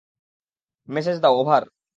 Message দাও, over.